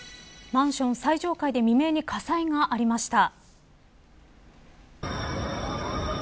マンション最上階で未明に火災がありました。